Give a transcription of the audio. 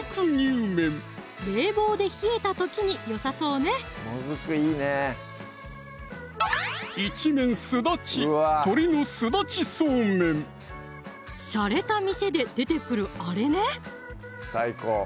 冷房で冷えた時によさそうね一面すだちしゃれた店で出てくるあれね